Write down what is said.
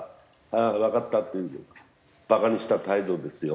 ああわかった」っていうバカにした態度ですよ。